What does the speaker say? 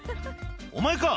「お前か？」